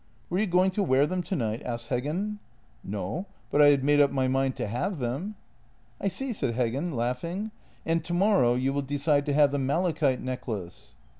" Were you going to wear them tonight? " asked Heggen. " No, but I had made up my mind to have them." " I see," said Heggen, laughing, " and tomorrow you null de cide to have the malachite necklace."